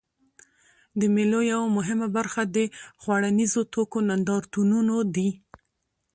د مېلو یوه مهمه برخه د خوړنیزو توکو نندارتونونه دي.